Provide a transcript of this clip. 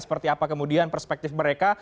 seperti apa kemudian perspektif mereka